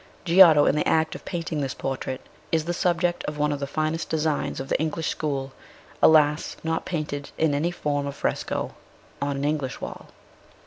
Giotto, in the act of painting this portrait, is the subject of one of the finest designs of the English school alas ! not painted in any form of fresco on an English wall.